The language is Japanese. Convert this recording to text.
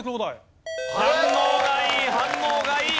反応がいい反応がいい。